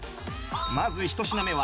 まず１品目は。